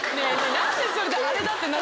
何でそれで「あれだ」って。